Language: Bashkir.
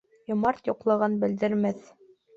Йомарт юҡлығын белдермәҫ.